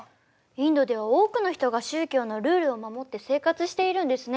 インドでは多くの人が宗教のルールを守って生活しているんですね。